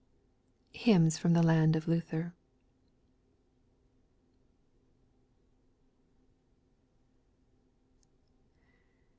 HYMNS FIIOM THE LAND OF LUTHER.